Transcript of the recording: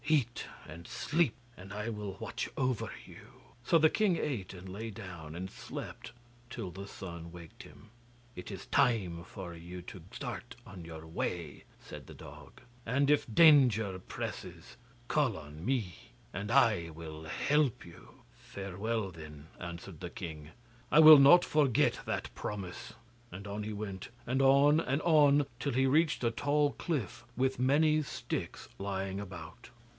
'Eat and sleep, and I will watch over you.' So the king ate and lay down, and slept till the sun waked him. 'It is time for you to start on your way,' said the dog, 'and if danger presses, call on me, and I will help you.' 'Farewell, then,' answered the king; 'I will not forget that promise,' and on he went, and on, and on, till he reached a tall cliff with many sticks lying about.